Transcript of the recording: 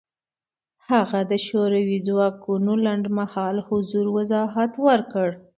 هغه د شوروي ځواکونو لنډمهاله حضور وضاحت ورکړ.